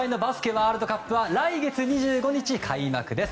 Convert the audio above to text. ワールドカップは来月２５日開幕です。